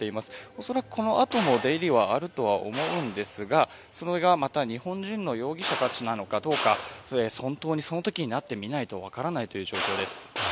恐らくこのあとの出入りはあると思うんですがそれがまた日本人の容疑者たちなのかどうかそのときになってみないと分からないという状況です。